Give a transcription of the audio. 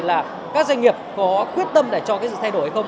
là các doanh nghiệp có quyết tâm để cho cái sự thay đổi hay không